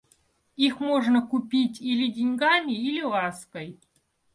Их можно купить или деньгами или лаской.